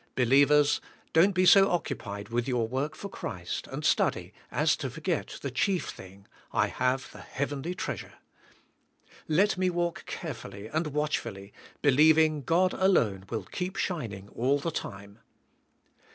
Believers, don't be so occupied with your 172 TH:e SPIRITUAI, LIFE. work for Christ, and study, as to forget the chief thing", I have the heavenly treasure. Let me walk carefully and watchfully, believing God alone will keep shining all the time.